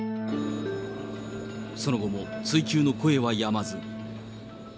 その後も追及の声はやまず。